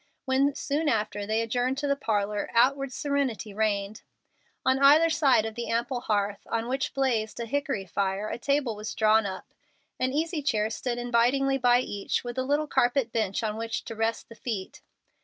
When, soon after, they adjourned to the parlor, outward serenity reigned. On either side of the ample hearth, on which blazed a hickory fire, a table was drawn up. An easy chair stood invitingly by each, with a little carpet bench on which to rest the feet.